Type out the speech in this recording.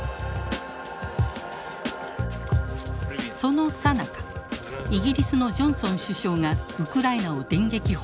そのさなかイギリスのジョンソン首相がウクライナを電撃訪問。